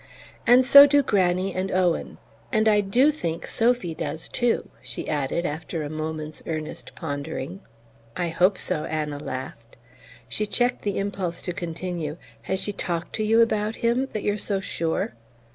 "And so do Granny and Owen and I DO think Sophy does too," she added, after a moment's earnest pondering. "I hope so," Anna laughed. She checked the impulse to continue: "Has she talked to you about him, that you're so sure?"